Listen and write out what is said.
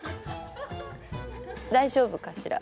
大丈夫かしら？